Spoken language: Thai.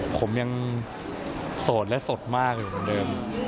ผมยังโสดและสดมากอย่างเดิม